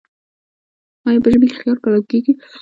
آیا په ژمي کې خیار کرل کیږي؟